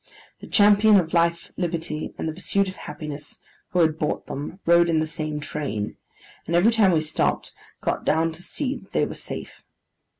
The champion of Life, Liberty, and the Pursuit of Happiness, who had bought them, rode in the same train; and, every time we stopped, got down to see that they were safe.